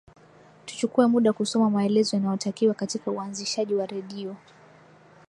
tuchukue muda kusoma maelezo yanayotakiwa katika uanzishaji wa redio